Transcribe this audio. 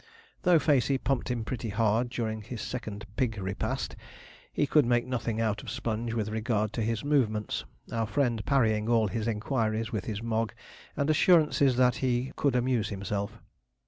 Though Facey pumped him pretty hard during this second pig repast, he could make nothing out of Sponge with regard to his movements our friend parrying all his inquiries with his Mogg, and assurances that he could amuse himself.